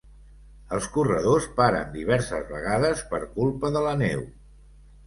Els corredors paren diverses vegades per culpa de la neu.